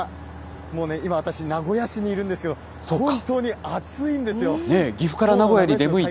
もう今、私、名古屋市にいるんですけど、本当に暑いんですよ。